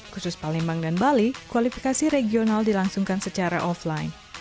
khusus palembang dan bali kualifikasi regional dilangsungkan secara offline